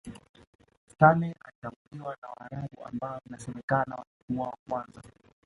Stanley alitanguliwa na Waarabu ambao inasemakana walikuwa wa kwanza